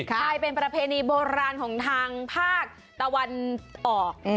ใช่เป็นประเพณีโบราณของทางภาคตะวันออก